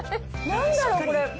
なんだろう、これ。